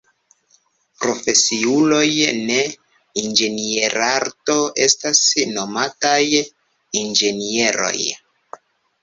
Profesiuloj de inĝenierarto estas nomataj inĝenieroj.